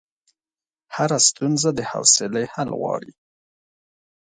هره ستونزه د حوصلې حل غواړي.